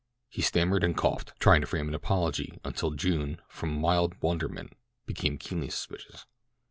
He stammered and coughed—trying to frame an apology, until June, from mild wonderment, became keenly suspicious.